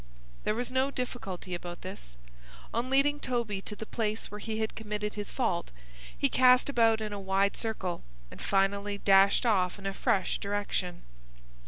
There was no difficulty about this. On leading Toby to the place where he had committed his fault, he cast about in a wide circle and finally dashed off in a fresh direction.